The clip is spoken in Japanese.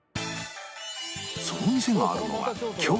その店があるのは京都